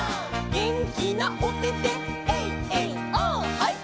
「げんきなおてて」「ハイ」「」